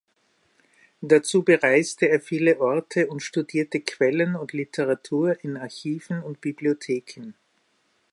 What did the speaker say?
Dazu bereiste er viele Orte und studierte Quellen und Literatur in Archiven und Bibliotheken.